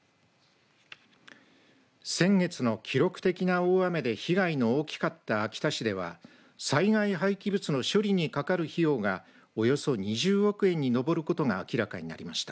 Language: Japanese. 先月の記録的な大雨で被害の大きかった秋田市では災害廃棄物の処理にかかる費用がおよそ２０億円に上ることが明らかになりました。